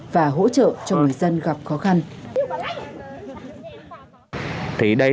và hỗ trợ cho người dân gặp khó khăn